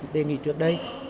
đề nghị trước đây